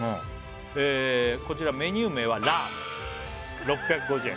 こちらメニュー名はラーメン６５０円